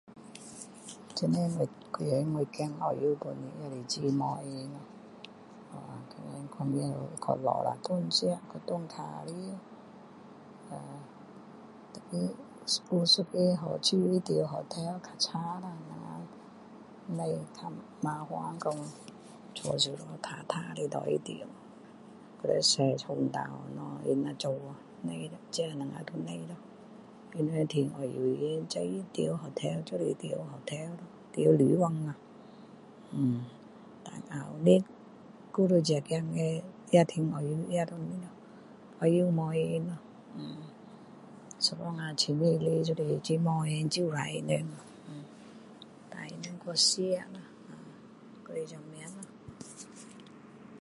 这几天我孩子从欧洲回来也是很没有空呀呃天天去外面去找下去哪里吃去哪里玩呃tapi 每一天好处是住hotel 比较差啦就是比较麻烦说屋子要干净的给他住还要还床单什么不用咯都不用咯他们赚澳洲钱随便咯住hotel就住hotel咯住旅馆咯但下个月另一个孩子也从澳洲也回来了我又没有空咯有时候七月完就是没有空要招待他们带他们去吃咯还是怎样咯